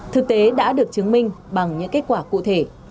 thực tế đã được chứng minh bằng những kết quả cụ thể